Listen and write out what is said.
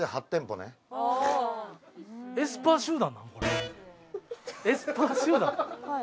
エスパー集団？